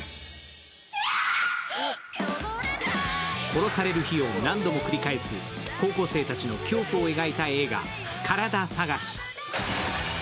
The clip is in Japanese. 殺される日を何度も繰り返す高校生たちの恐怖を描いた映画、「カラダ探し」。